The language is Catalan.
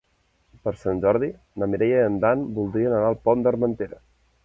Per Sant Jordi na Mireia i en Dan voldrien anar al Pont d'Armentera.